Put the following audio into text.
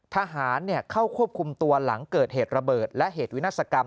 ทหารเข้าควบคุมตัวหลังเกิดเหตุระเบิดและเหตุวินาศกรรม